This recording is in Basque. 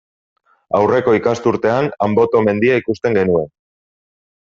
Aurreko ikasturtean Anboto mendia ikusten genuen.